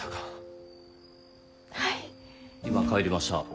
・今帰りました。